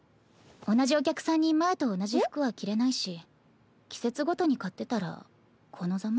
同じお客さんに前と同じ服は着れないし季節ごとに買ってたらこのザマ。